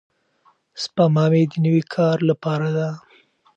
سپما مې د نوي کار لپاره ده.